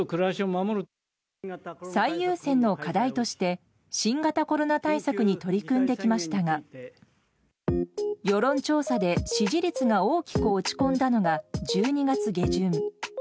最優先の課題として、新型コロナ対策に取り組んできましたが、世論調査で支持率が大きく落ち込んだのが１２月下旬。